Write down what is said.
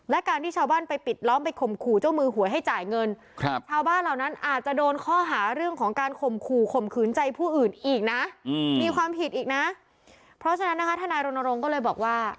ไม่มีความผิดอีกนะเพราะฉะนั้นนะคะท่านายรณรงค์ก็เลยบอกว่า